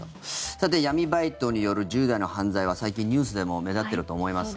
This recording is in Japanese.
さて、闇バイトによる１０代の犯罪は最近、ニュースでも目立っていると思いますが。